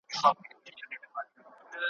فیصله وکړه خالق د کایناتو `